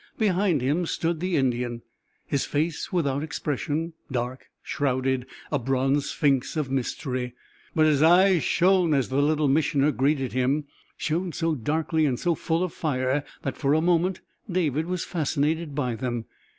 Behind him stood the Indian his face without expression, dark, shrouded a bronze sphinx of mystery. But his eyes shone as the Little Missioner greeted him shone so darkly and so full of fire that for a moment David was fascinated by them.